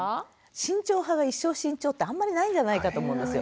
慎重派は一生慎重ってあんまりないんじゃないかと思うんですよ。